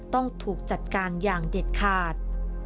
ต้องถูกจัดการอย่างเด็ดขาด